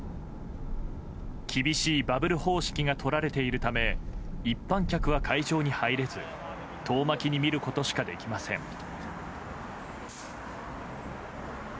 厳しいバブル方式がとられているため一般客は会場に入れず遠巻きに見ることしかできません。